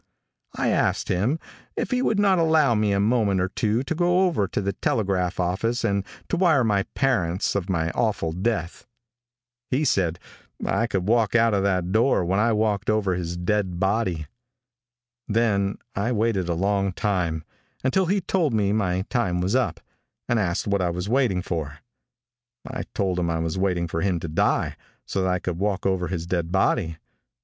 [Illustration: 0067] I asked him if he would not allow me a moment or two to go over to the telegraph office and to wire my parents of my awful death. He said I could walk out of that door when I walked over his dead body. Then I waited a long time, until he told me my time was up, and asked what I was waiting for. I told him I was waiting for him to die, so that I could walk over his dead body.